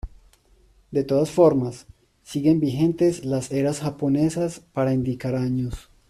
De todas formas, siguen vigentes las eras japonesas para indicar años.